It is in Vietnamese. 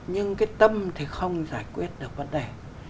nhưng cái tâm thì không giải quyết được vấn đề